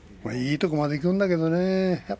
いいところまでいくんだけどね。